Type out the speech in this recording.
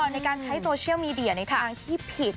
ในการใช้โซเชียลมีเดียในทางที่ผิด